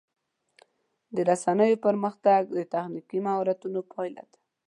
د رسنیو پرمختګ د تخنیکي مهارتونو پایله ده.